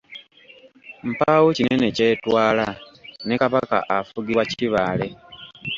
Mpaawo kinene kyetwala, ne Kabaka afugibwa Kibaale.